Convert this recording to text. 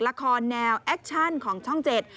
ละครแนวแอคชั่นของช่องเจ็ด